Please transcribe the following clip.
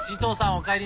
お帰り。